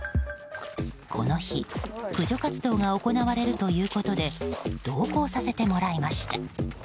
この日、駆除活動が行われるということで同行させてもらいました。